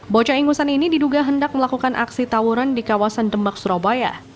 bocah ingusan ini diduga hendak melakukan aksi tawuran di kawasan demak surabaya